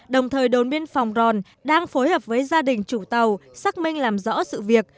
đồng thời đồn biên phòng ròn đang phối hợp với gia đình chủ tàu xác minh làm rõ sự việc